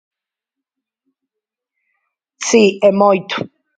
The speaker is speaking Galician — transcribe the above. Si, e moito.